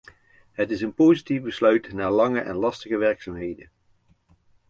Het is een positief besluit na lange en lastige werkzaamheden.